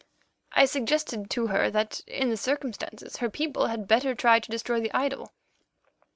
"I suggested to her that, in the circumstances, her people had better try to destroy the idol.